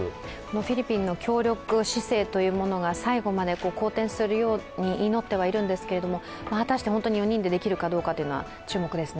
フィリピンの協力姿勢というものが最後まで好転するように祈ってはいるんですけど、果たして本当に４人でできるかどうか注目ですね。